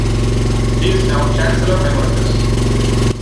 He is now chancellor emeritus.